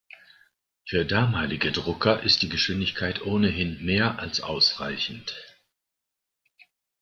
Für damalige Drucker ist die Geschwindigkeit ohnehin mehr als ausreichend.